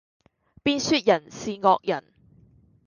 便說人是惡人。